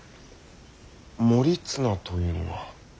盛綱というのは。